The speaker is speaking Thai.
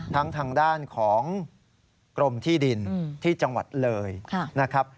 ทางด้านของกรมที่ดินที่จังหวัดเลยนะครับ